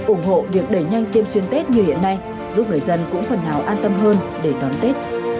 ủng hộ việc đẩy nhanh tiêm xuyên tết như hiện nay giúp người dân cũng phần nào an tâm hơn để đón tết